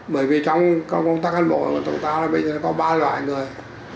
bởi vì trong công tác hành bộ của tổng táo là bây giờ có ba loại người